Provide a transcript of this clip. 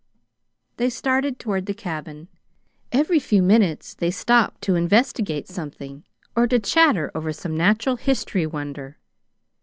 They started toward the cabin. Every few minutes they stopped to investigate something or to chatter over some natural history wonder.